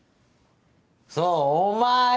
そうお前！